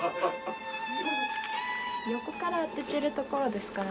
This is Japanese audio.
横から当ててるところですかね。